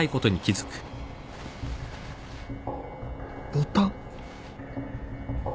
ボタン。